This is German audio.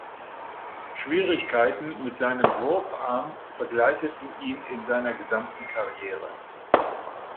Schwierigkeiten mit seinem Wurfarm begleiteten ihn in seiner gesamten Karriere.